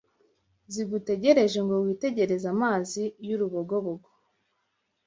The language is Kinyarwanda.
zigutegereje ngo witegereze amazi y’urubogobogo